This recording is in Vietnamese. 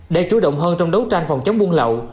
để chủ động hơn trong đấu tranh phòng chống buôn lậu